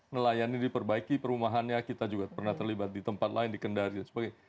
nelayan ini diperbaiki perumahannya kita juga pernah terlibat di tempat lain di kendari dan sebagainya